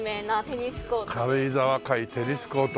「軽井沢会テニスコート」。